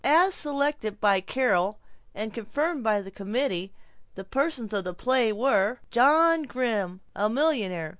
As selected by Carol and confirmed by the committee, the persons of the play were: John Grimm, a millionaire